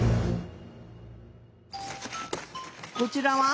こちらは？